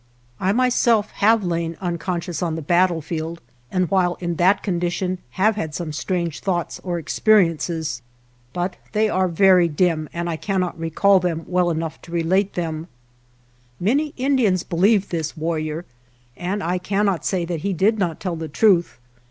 I my self have lain unconscious on the battlefield, 210 i ■>■> t J ,•>»» Ready for Chukch RELIGION and while in that condition have had some strange thoughts or experiences; but they are very dim and I cannot recall them well enough to relate them. Many Indians be lieved this warrior, and I cannot say that he did not tell the truth.